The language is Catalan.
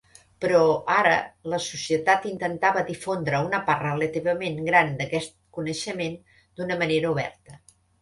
Però ara la Societat intentava difondre una part relativament gran d'aquest coneixement d'una manera oberta.